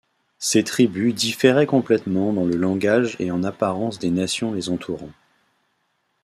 Ces tribus différaient complètement dans le langage et en apparence des nations les entourant.